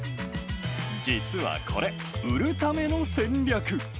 実はこれ、売るための戦略。